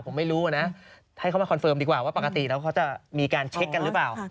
ผมไม่รู้นะให้เขามาคอนเฟิร์มดีกว่าว่าปกติแล้วเขาจะมีการเช็คกันหรือเปล่า